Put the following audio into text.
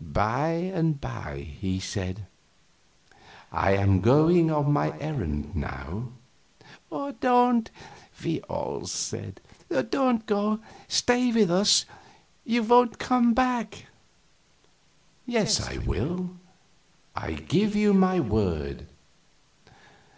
By and by he said: "I am going on my errand now." "Don't!" we all said. "Don't go; stay with us. You won't come back." "Yes, I will; I give you my word."